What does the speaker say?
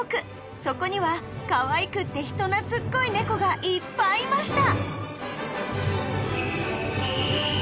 そこにはかわいくって人懐っこい猫がいっぱいいました！